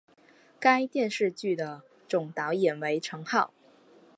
该电视剧的总导演为成浩。